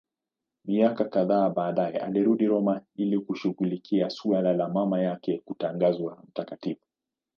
Miaka kadhaa baadaye alirudi Roma ili kushughulikia suala la mama yake kutangazwa mtakatifu.